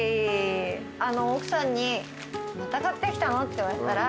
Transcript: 奥さんに「また買ってきたの？」って言われたら。